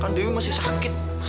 kan dewi masih sakit